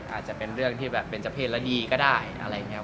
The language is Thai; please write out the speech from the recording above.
อาจจะเป็นเรื่องที่แบบเป็นเจ้าเพศและดีก็ได้อะไรอย่างนี้